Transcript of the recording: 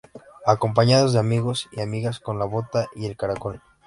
Acompañados de amigos y amigas con la bota y el Caracol.